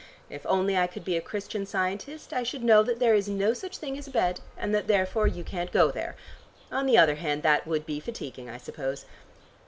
If only I could be a Christian Scientist I should know that there is no such thing as a bed, and that therefore you can't go there. On the other hand that would be fatiguing I suppose."